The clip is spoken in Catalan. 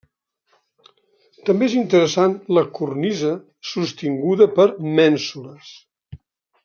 També és interessant la cornisa sostinguda per mènsules.